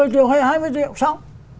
một mươi triệu hay hai mươi triệu xong